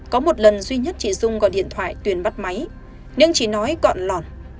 có một lần duy nhất chị dung gọi điện thoại tuyền bắt máy nhưng chị nói gọn lọn